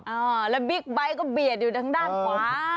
อ่าแล้วบิ๊กไบท์ก็เบียดอยู่ทางด้านขวา